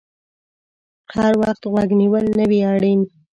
هر وخت غوږ نیول نه وي اړین